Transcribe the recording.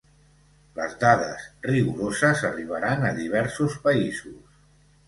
Les dades rigoroses arribaran a diversos països.